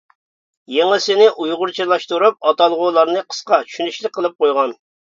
يېڭىسىنى ئۇيغۇرچىلاشتۇرۇپ ئاتالغۇلارنى قىسقا، چۈشىنىشلىك قىلىپ قويغان.